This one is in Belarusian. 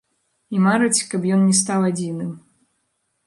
І мараць, каб ён не стаў адзіным.